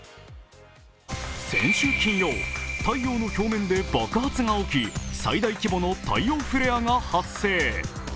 先週金曜、太陽の表面で爆発が起き、最大規模のフレアが発生。